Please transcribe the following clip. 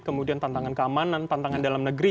kemudian tantangan keamanan tantangan dalam negeri